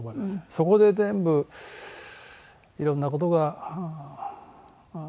そこで全部いろんな事が。